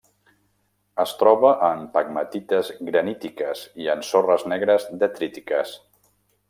Es troba en pegmatites granítiques i en sorres negres detrítiques.